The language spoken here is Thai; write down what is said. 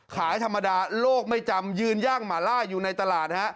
ขายธรรมดาโลกไม่จำยืนย่างหมาล่าอยู่ในตลาดฮะ